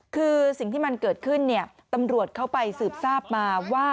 คือสิ่งที่มันเกิดขึ้นเนี่ยตำรวจเขาไปสืบทราบมาว่า